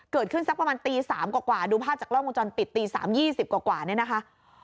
เกิดขึ้นสักประมาณตีสามกว่ากว่าดูภาพจากล้อมวงจรปิดตีสามยี่สิบกว่ากว่าเนี้ยนะคะ